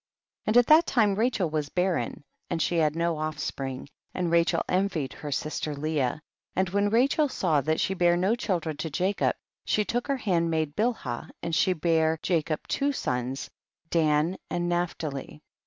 16. And at that time Rachel was barren, and she had no offspring, and Rachel envied her sister Leah, and when Rachel saw that she bare no children to Jacob, she took her hand maid Bilhah, and she bare Jacob two sons, Dan and Naphtali.